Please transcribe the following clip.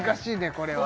これはね